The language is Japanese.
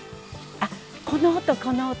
あこの音この音。